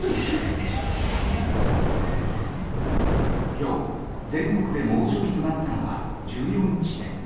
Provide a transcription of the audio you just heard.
今日、全国で猛暑日となったのは１４地点。